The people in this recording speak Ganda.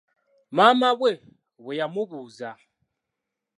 Maama we bwe yamubuuza.